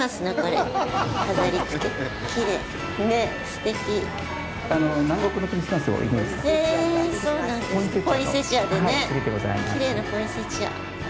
きれいなポインセチア。